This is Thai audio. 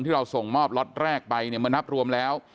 ที่เราส่งมอบล็อตแรกไปเมื่อนับรวมแล้ว